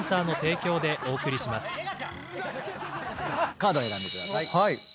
カード選んでください。